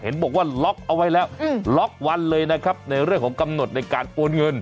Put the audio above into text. บอกว่าล็อกเอาไว้แล้วล็อกวันเลยนะครับในเรื่องของกำหนดในการโอนเงิน